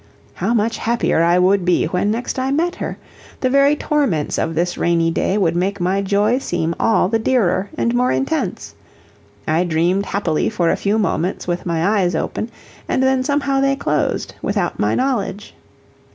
How much happier I would be when next I met her! The very torments of this rainy day would make my joy seem all the dearer and more intense. I dreamed happily for a few moments with my eyes open, and then somehow they closed, without my knowledge.